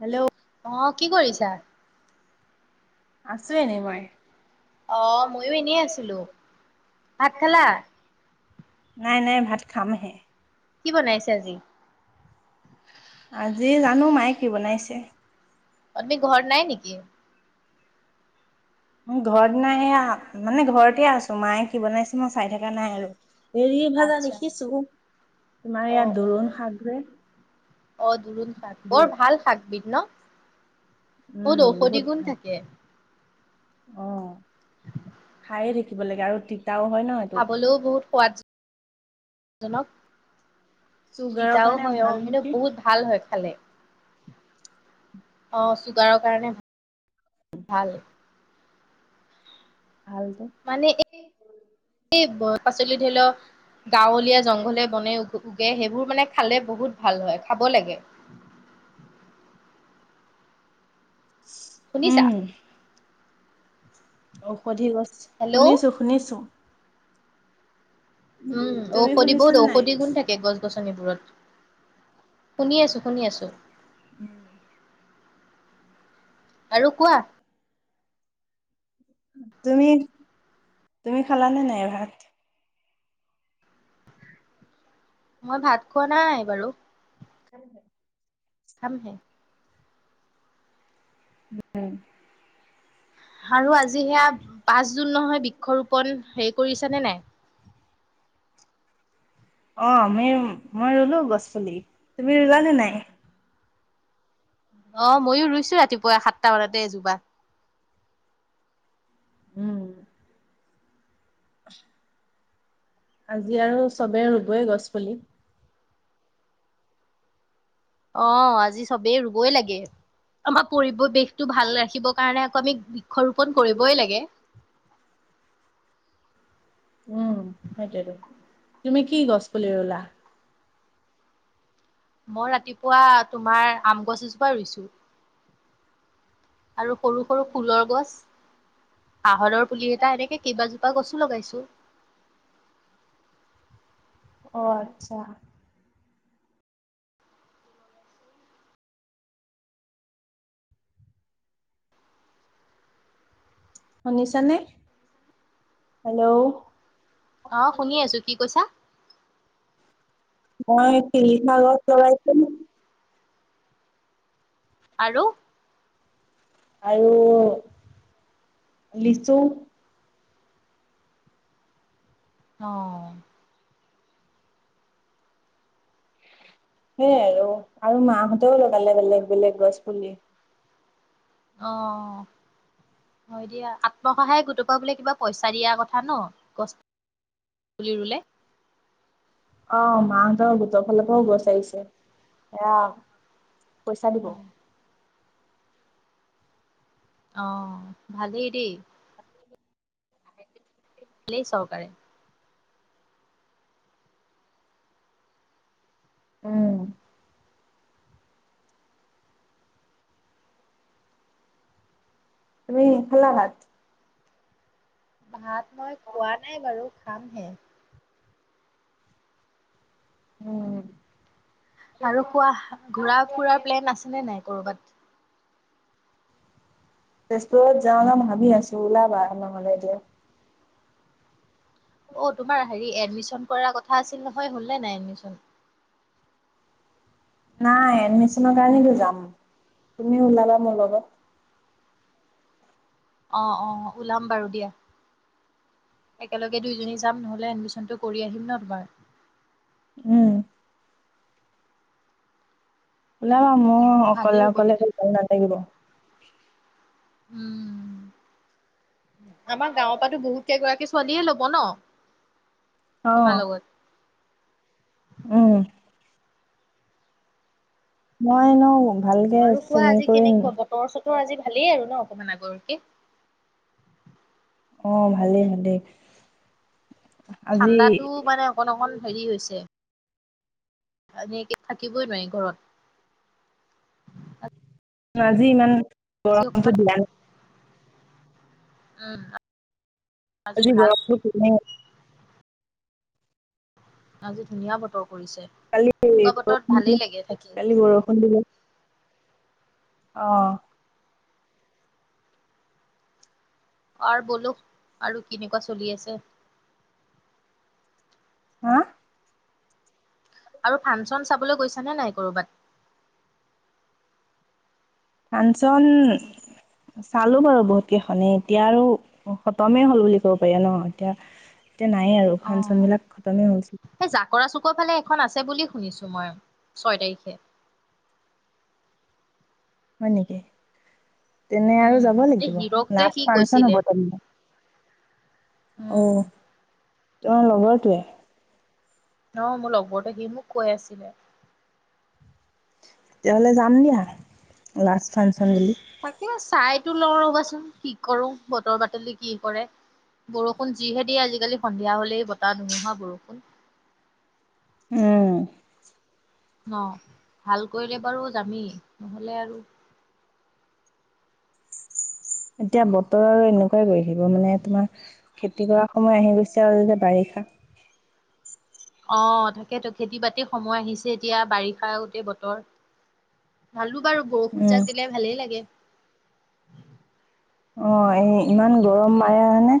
Hello অ কি কৰিছা আছো এনে মই অ মইয়ো এনেই আছিলো ভাত খালা নাই নাই ভাত খাম হে কি বনাইছে আজি আজি জানো মায়ে কি বনাইছে আপুনি ঘৰত নাই নেকি ম ঘৰত নাই মানে ঘৰতে আছো মায়ে কি বনাইছে মই চাই থকা নাই আৰু এৰি ভাজা আচ্ছা দেখিছো তোমাৰ অ ইয়াত অ দৰুণ শাক অহ দুৰুণ শাক যে বৰ ভাল শাকবিধ ন বহুত উম ঔষধি গুণ থাকে অহ খায়ে থাকিব লাগে আৰু ঠিক খাবলৈও বহুত সোৱাদ জনক চুগাৰৰ তিতাও কাৰণে হয় অ ভাল সেইটো নেকি বহুত ভাল হয় খালে অ চুগাৰৰ কাৰণে ভাল ভালটো মানে এই এই পাচলি ধৰি লওক গাঁৱলীয়া জংঘলে বনে উ উগে সেইবোৰ মানে খালে বহুত ভাল হয় খাব লাগে শুনিছা? উম ঔষধি গছে হেল্ল', শুনিছো শুনিছো উম তুমি ঔষধি বহুত শুনিছানে নাই ঔষধি গুণ থাকে গছ-গছনি গছনিবোৰত শুনি আছো শুনি আছো উম আৰু কোৱা তুমি তুমি খালানে নাই ভাত মই ভাত খোৱা নাই বাৰু হয় হয় খাম হে উম আৰু আজি সেয়া পাঁচ জুন নহয় বৃক্ষৰোপন হেৰি কৰিছে নে নাই অ আমি মই মই ৰুলো গছ পুলি তুমি ৰুলানে নাই অ মইও ৰুইছো ৰাতিপুৱা সাতটা মানতে এজোপা উম উচ আজি আৰু চবে ৰুবইে গছ পুলি অ আজি চবেই ৰুবই লাগে আমাৰ পৰিৱেশটো ভাল ৰাখিবৰ কাৰণে আকৌ আমি বৃক্ষৰোপন কৰিবই লাগে উম সেইতো টো তুমি কি গছ পুলি ৰুলা মই ৰাতিপুৱা তোমাৰ আম গছ এজোপা ৰুইছো আৰু সৰু সৰু ফুলৰ গছ আহৰৰ পুলি এটা এনেকে কেইবাজোপা গছো লগাইছো অ আচ্ছা শুনিছ নে হেল্ল' অ শুনি আছো কি কৈছা মহ চিলিখা গছ লগাইছো আৰু আৰু লিচু আহ সেইয়াই আৰু আৰু মাহঁতেও লগালে বেলেগ বেলেগ গছ পুলি অ হয় দিয়া আত্মসহায়ক গোটপা বোলে কিবা পইচা দিয়া কথা ন গছ ৰুলে অ মাহঁতৰ গোটৰ ফালৰ পৰাও গছ আহিছে এয়া পইচা দিব অ ভালেই দেই লেই চহকাৰে উম তুমি খালা ভাত ভাত মই খোৱা নাই বাৰু খামহে উম আৰু কোৱা ঘুৰা ফুৰাৰ প্লেন আছে নে নাই কবাত তেজপুৰত যাওঁ ন ভাবি আছো ওলাবা নহ'লে এতিয়া অ তোমাৰ হেৰি এডমিশন কৰাৰ কথা আছিল নহয় হলনে নাই এডমিশন নাই এডমিশনৰ কাৰণো যাম তুমি ওলাবা মোৰ লগত অ অ ওলাম বাৰু দিয়া একেলগে দুইজনী যাম নহলে এডমিশনটো কৰি আহিম ন তোমাৰ উম মোৰ ভালেই অকলে হ'ব অকলে তেতিয়া নথাগিব উম আমাৰ গাঁওৰ পৰাতো বহুত কেইগৰাকী ছোৱালীয়ে ল'ব ন অ তোমাৰ লগত উম মই ন ভালকৈ চিনি কৰি তোৰ আজি ভালেই আৰু ন অকমান আগৰকে অ ভালেই ভালেই আজি ঠাণ্ডাতো মানে অকণ অকণ হেৰি হৈছে এনেকে থাকিবই নোৱাৰি ঘৰত আজি ইমান আজি অকমান গৰমটো দিয়া উম আজি গৰমটো আজি ধুনীয়া বতৰ কৰিছে কালি এনেকুৱা বতৰত বৰষুণ ভালেই দিব, লাগে থাকি কালি বৰষুণ দিব আহ অৰ বলো আৰু কেনেকুৱা চলি আছে? হা আৰু ফাংচন চাবলৈ গৈছ নে নাই কৰবাত? ফাংঞ্চন চালো বাৰু বহুত কেইখনেই এতিয়া আৰু খতমেই হ'ল বুলি ক'ব পাৰি ন এতিয়া তে নাইয়েই আৰু অ ফাংচনবিলাক খতমেই হছিল খন আছে বুলি শুনিছো মই ছয় তাৰিখে হয় নেকি তেনে আৰু উম যাব এই লাগিব। হিৰক যে লাষ্ট সি ফাংচন হব কৈছিলে তেনে, উম আহ তোমাৰ লগৰটোৱে অ মোৰ লগৰতে সি মোক কৈ আছিলে তেতিয়াহ'লে যাম দিয়া লাষ্ট ফাংচন বুলি টো লওঁ ৰ'বাচোন, কি কৰো বতৰ বাতল কি কৰে, বৰষুণ যিহে দিয়ে আজিকালি সন্ধিয়া হলেই বতাহ, ধুমুহা, বৰষুণ উম অ ভাল কৰিলে বাৰু যামেই নহলে আৰু এতিয়া বতৰ আৰু এনেকুৱাই কৰি আহিব মানে তোমাৰ খেতি কৰা সময় আহি গৈছে আৰু যে বাৰিষা অ তাকেতো খেতি বাতি সময় আহিছে এতিয়া বাৰিষা আগতে বতৰ, ভালো বাৰু বৰষুণ উম যাক দিলে ভালেই লাগে। অ এই ইমান গৰম মাৰে মানে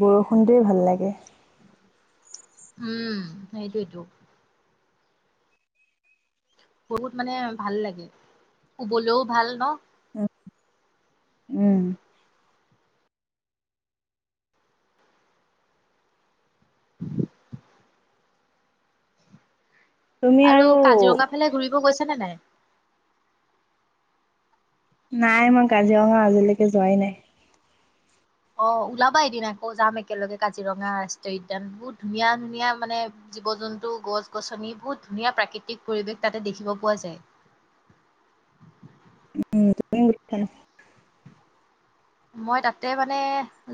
বৰষুণটোয়ে ভাল লাগে উম সেইটো এইটো বহুত মানে ভাল লাগে শুবলৈও ভাল ন উম আৰু কাজিৰঙা ফালে ঘুৰিব গৈছে নে নাই? নাই মই কাজিৰঙা আজিলৈকে যোৱাই নাই। অ ওলাবা এদিন আকৌ যাম একেলগে কাজিৰঙা ৰাষ্ট্ৰীয় উদ্যান বহুত ধুনীয়া ধুনীয়া মানে জীৱ জন্তু গছ গছনি বহুত ধুনীয়া প্ৰাকৃতিক পৰিৱেশ তাতে দেখিব পোৱা যায়। উম তুমিান [unintelligible] মই তাতে মানে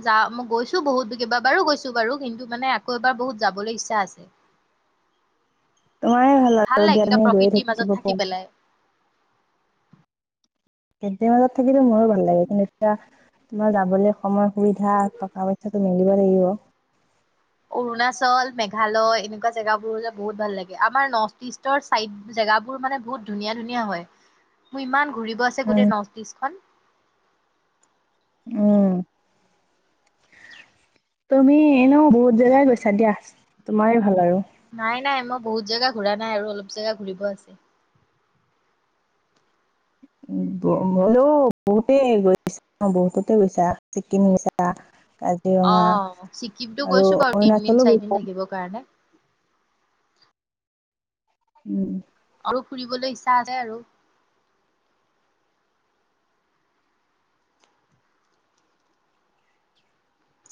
যা মই গৈছো বহুত কেইবাবাৰো গৈছো বাৰু কিন্তু মানে আকৌ এবাৰ বহুত যাবলৈ ইচ্ছা আছে তোমাৰ ভাল আৰু লাগে এতিয়া এনেকুৱা তুমি গৈয়ে প্ৰকৃতিৰ মাজত থাকিব থাকি পাৰা পেলাই খে মাজত থাকিলে মোৰো ভাল লাগে কিন্তু এতিয়া তোমাৰ যাবলৈ সময় সুবিধা টকা পইচাটো মিলিব লাগিব অৰুণাচল মেঘালয় এনেকুৱা জেগাবোৰ যে বহুত ভাল লাগে আমাৰ নৰ্থ ইষ্টৰ চাইড জেগাবোৰ মানে বহুত ধুনীয়া ধুনীয়া হয় মোৰ ইমান ঘূৰিব আছে উম, গোটেই নৰ্থ ইষ্ট খন উম তুমি এনেও বহুত জেগাই গৈছা দিয়া তোমাৰ ভাল আৰু নাই নাই মই বহুত জেগা ঘুৰা নাই আৰু অলপ জেগা ঘুৰিব আছে হলেও বহুতে গৈছা বহুততে গৈছা চিকিম গৈছা অ কাজিৰঙা ছিকিমটো আৰু গৈছো বাৰু অৰুণাচলো তিনদিন গৈছা চাৰিদিন থাকিবৰ কাৰণে উম আৰু ফুৰিবলৈ ইচ্ছা আছে আৰু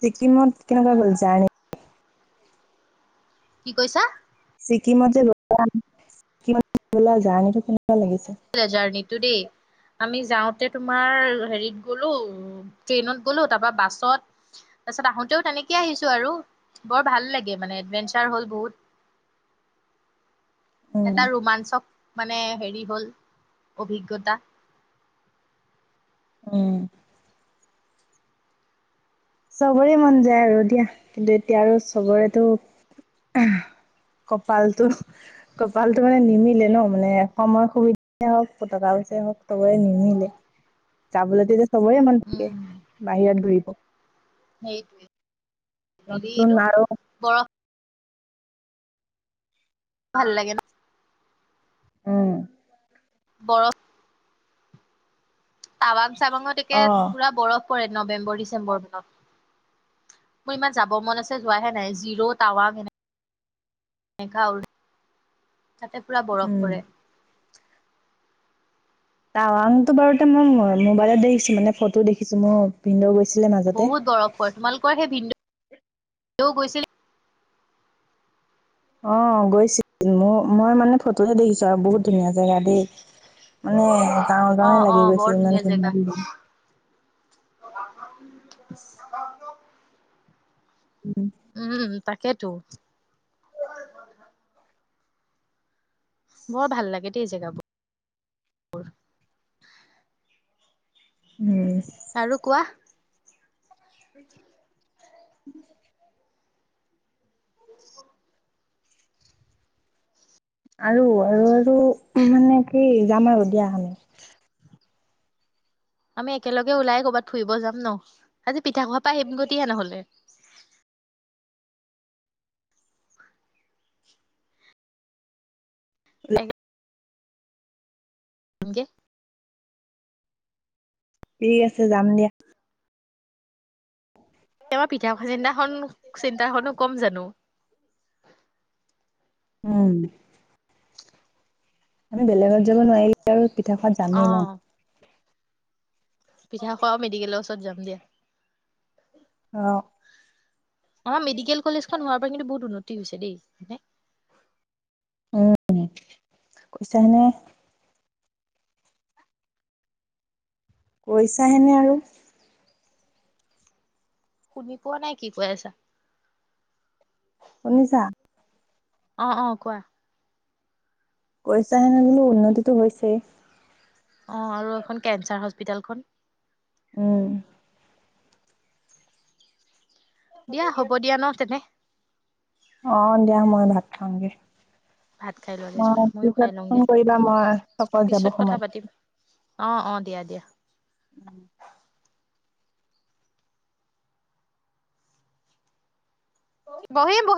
ছিকিমত কেনেকুৱা গলে জান কি কৈছা ছিকিমত যে লল জাৰ্টো জাৰনি টো দেই আমি যাওঁতে তোমাৰ হেৰিত গলো ট্ৰেইনত গলো তাৰ পৰা বাছত তাৰপিছত আহোতেও তেনেকে আহিছো আৰু বৰ ভাল লাগে মানে এডভেঞ্চাৰ হ'ল বহুত উম, এটা ৰোমাঞ্চক মানে হেৰি হ'ল অভিজ্ঞতা উম চবৰে মন যায় আৰু দিয়া কিন্তু এতিয়া আৰু চবৰেটো কপালটো কপালটো মানে নিমিলে ন মানে সময় সুবিধাই হওক পতকা পইচাই হওক চবৰে নিমিলে যাবলৈত চবৰে মন থাকে উম বাহিৰত ঘুৰিব সেইটোৱে নচোন হেৰিটো আৰু বৰফ ভাল লাগে ন উম বৰ টাৱাং টাৱাঙত একে অ পুৰা বৰফ কৰে নৱেম্বৰ ডিচেম্বৰ মানত মোৰ ইমান যাব মন আছে যোৱাহে নাই জিৰ, টাৱাং এনে তাতে পুৰা বৰফ উম পৰে টাৱাংতো বাৰুতে মই মোবাইলত দেখিছো মানে ফটো দেখিছো মই ভিনদেও গৈছ বহুত বৰফ পৰে তোমালোকৰ সেই ভিনদে তেওঁ গৈছিল অ গৈছিল মোৰ মই মানে ফটোহে দেখিছো আৰু বহুত ধুনীয়া জেগা দেই মানে যাওঁ অ যাওঁ লাগি বৰ গৈছে ইমান জেগা ধুনীয়া অ উম তাকেইেতো বৰ ভাল লাগে দ এই জেগাবোৰ উম আৰু কোৱা [unintelligible] [unintelligible] আৰু আৰু আৰু মানে কি যাম আৰু দিয়াখানি আমি একেলগে ওলাই কৰ'ৰবাত ফুৰিব যাম ন আজি পিঠা খোৱা প পৰা স গতিহে নহ'লে [unintelligible] উ নিকে ঠিক আছে যাম দিয়া আমাৰ পিঠা চিন্তাখনন চিন্তাখননো কম জানো [unintelligible] উম আমি বেলেগ যাব নোৱাৰিলি আৰু পিঠাাত অ যামেই ন পিঠা খোৱা মেডিকেলৰ ত যাম দিয়া আহ আমাৰ মেডিকেল কলেজখন হোৱাৰ পৰা কিন্তু বহুত উন্নতি হৈছে দেই এে উম কৈছাাহনেে কৈছাাহেনে আৰু শুনি পোৱা নাই কি কৈ আছা শুনিছা অ অ কোৱা পচা সেনে গলো উন্নতিতটো হৈছেই অ আৰু এইখন কেঞ্চাৰ হস্পিিতেলখন উম দিয়া হ'ব দিয়া ন তেনে অ দিয়া মই ভাত খাামগে ভাত খাই ললে যোৱা ময়ো খাই লওঁগে কৰিবা মই চকত যাব পিছত সময়ত। কথা পাতিম অ অ দিয়া দিয়া বহি বহুত